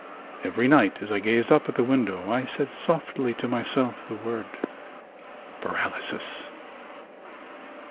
Every night as I gazed up at the window I said softly to myself the word paralysis.